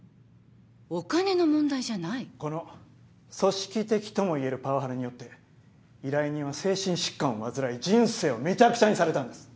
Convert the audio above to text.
この組織的ともいえるパワハラによって依頼人は精神疾患を患い人生をめちゃくちゃにされたんです。